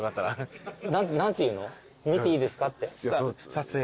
撮影。